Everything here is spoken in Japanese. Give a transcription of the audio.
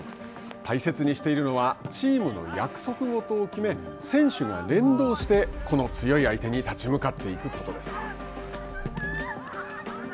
大切にしているのはチームの約束事を決め選手が連動して個の強い相手に立ち向かっていくことです。